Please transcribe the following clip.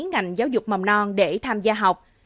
ngành giáo dục mầm non để tham gia học